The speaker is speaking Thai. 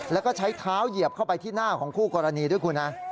แล้วก็ใช้เท้าเหยียบเข้าไปที่หน้าของคู่กรณีด้วยคุณนะ